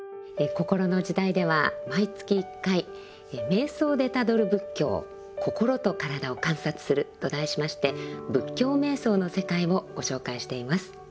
「こころの時代」では毎月１回「瞑想でたどる仏教心と身体を観察する」と題しまして仏教瞑想の世界をご紹介しています。